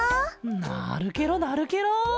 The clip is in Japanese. なるケロなるケロ！